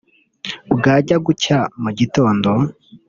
Bwajya gucya mu gitondo